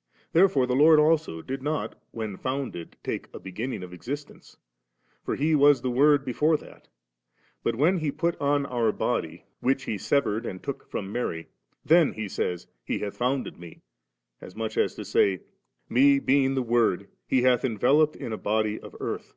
* Therefore the Lord also did not when founded take a begin ning of existence ; for He was the Word before that ; but when He put on our body, which He severed and took from Mary, then He says ' He hath founded me ;' as much as to say, ' Me, being the Word, He hath enveloped in a body of earth.